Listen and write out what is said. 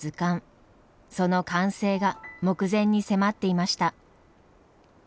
その完成が目前に迫っていました。